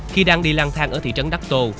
khi đang đi lang thang ở thị trấn đắc tô